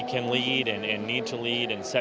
kami bisa dan harus menjadikan tujuan besar di area ini